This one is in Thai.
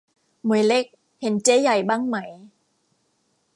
หมวยเล็ก เห็นเจ๊ใหญ่บ้างไหม